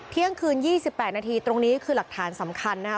เที่ยงคืน๒๘นาทีตรงนี้คือหลักฐานสำคัญนะคะ